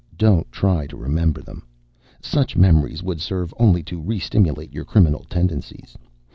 Don't try to remember them. Such memories would serve only to restimulate your criminal tendencies.